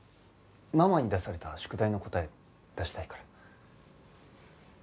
ママに出された宿題の答え出したいから。